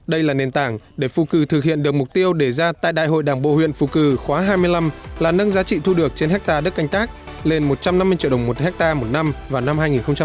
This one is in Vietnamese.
đây là nền tảng để phù cử thực hiện được mục tiêu để ra tại đại hội đảng bộ huyện phù cử khóa hai mươi năm là nâng giá trị thu được trên hectare đất canh tác lên một trăm năm mươi triệu đồng một hectare một năm vào năm hai nghìn hai mươi